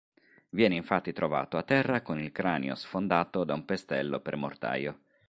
Viene infatti trovato a terra, con il cranio sfondato da un pestello per mortaio.